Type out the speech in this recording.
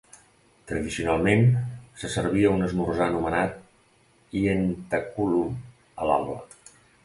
Tradicionalment, se servia un esmorzar anomenat ientaculum a l'alba.